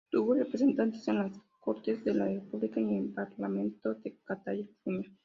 Tuvo representantes en las Cortes de la República y en el Parlamento de Cataluña.